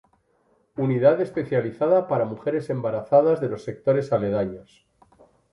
Unidad especializada para mujeres embarazadas de los sectores aledaños.